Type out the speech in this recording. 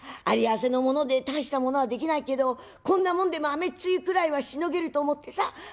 有り合わせのもので大したものはできないけどこんなもんでも雨っ露くらいはしのげると思ってさ」。